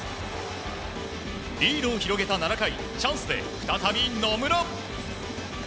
リードを広げた７回チャンスで再び野村。